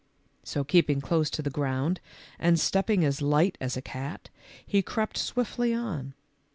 So keeping close to the ground and stepping as light as a cat, he crept swiftly on.